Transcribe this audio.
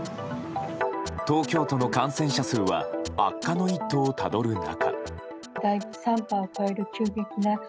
東京都の感染者数は悪化の一途をたどる中。